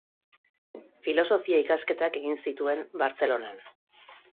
Filosofia ikasketak egin zituen Bartzelonan.